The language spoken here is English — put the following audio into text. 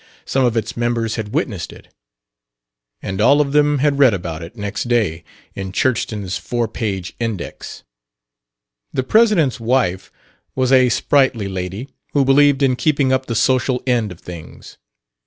Some of its members had witnessed it, and all of them had read about it, next day, in Churchton's four page "Index." The president's wife was a sprightly lady, who believed in keeping up the social end of things.